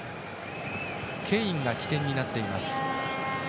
ケインが起点になっています。